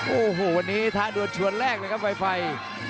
โอ้โหวันนี้ท้าดวนชวนแรกเลยครับไฟ